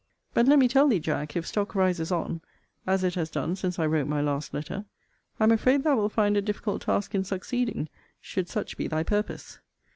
But let me tell thee, Jack, if stock rises on, as it has done since I wrote my last letter, I am afraid thou wilt find a difficult task in succeeding, should such be thy purpose.